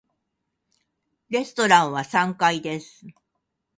レストランは三階です。